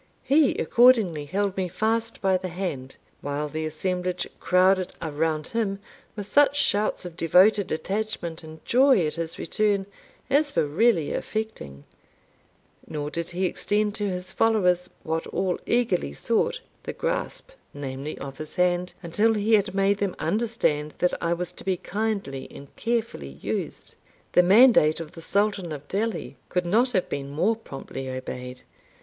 He accordingly held me fast by the hand, while the assemblage crowded around him with such shouts of devoted attachment, and joy at his return, as were really affecting; nor did he extend to his followers what all eagerly sought, the grasp, namely, of his hand, until he had made them understand that I was to be kindly and carefully used. The mandate of the Sultan of Delhi could not have been more promptly obeyed.